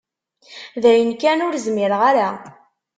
Dayen kan ur zmireɣ ara.